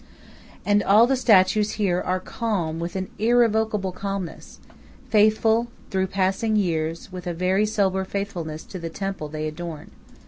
And all the statues here are calm with an irrevocable calmness, faithful through passing years with a very sober faithfulness to the temple they adorn.